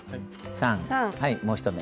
３もう一目。